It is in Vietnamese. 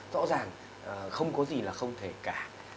rõ ràng không có gì là không thể cả